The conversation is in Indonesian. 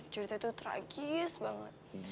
cerita itu tragis banget